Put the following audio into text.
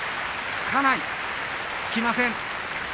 つきません。